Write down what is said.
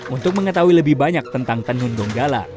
untuk mengetahui lebih banyak tentang tenun donggala